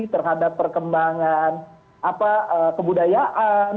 terhadap perkembangan kebudayaan